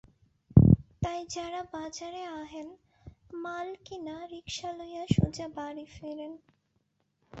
তাই যারা বাজারে আহেন মাল কিনা রিকশা লইয়া সোজা বাড়ি ফেরেন।